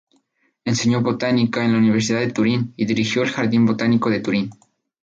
Enseñó botánica en la Universidad de Turín y dirigió el jardín botánico de Turín.